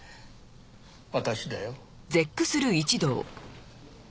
私だよ。